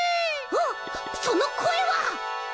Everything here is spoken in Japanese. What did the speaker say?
あっそのこえは！？